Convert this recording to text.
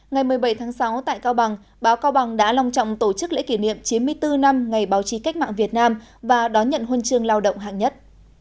ngày một mươi bảy tháng sáu tại cao bằng báo cao bằng đã lòng trọng tổ chức lễ kỷ niệm chín mươi bốn năm ngày báo chí cách mạng việt nam và đón nhận huân chương lao động hạng nhất